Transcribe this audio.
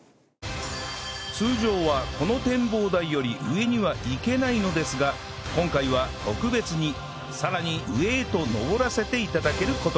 通常はこの展望台より上には行けないのですが今回は特別にさらに上へと上らせて頂ける事に